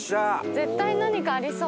絶対何かありそう。